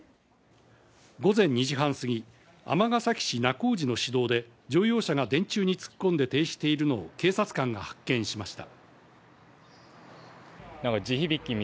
午前２時半すぎ、尼崎市若王寺の市道で、乗用車が電柱に突っ込んで停止しているのを警察官が発見しました。